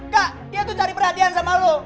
kak dia tuh cari perhatian sama lo